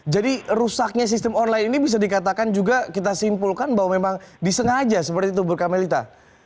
jadi rusaknya sistem online ini bisa dikatakan juga kita simpulkan bahwa memang disengaja seperti itu bu kamelita